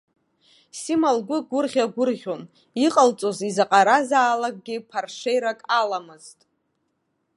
Сима лгәы гәырӷьа-гәырӷьон, иҟалҵоз изаҟаразаалакгьы ԥаршеирак аламызт.